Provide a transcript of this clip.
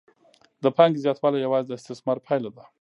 د پانګې زیاتوالی یوازې د استثمار پایله ده